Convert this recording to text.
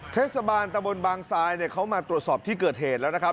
เทศบาลตะบนบางซายเขามาตรวจสอบที่เกิดเหตุแล้วนะครับ